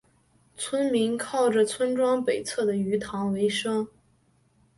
村民靠着村庄北侧的鱼塘维生。